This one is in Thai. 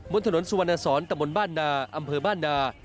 บนถนนสุวรรณสรตำรวจบ้านดาอำเภอบ้านดา